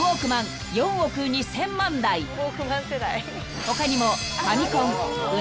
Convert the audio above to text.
［他にも］